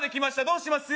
どうします？